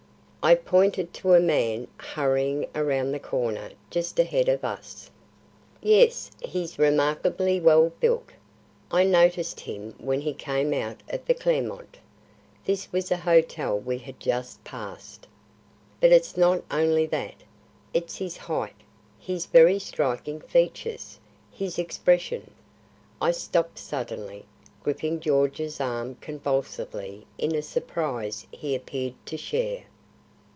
I pointed to a man hurrying around the corner just ahead of us. "Yes, he's remarkably well built. I noticed him when he came out of the Clermont." This was a hotel we had just passed. "But it's not only that. It's his height, his very striking features, his expression " I stopped suddenly, gripping George's arm convulsively in a surprise he appeared to share.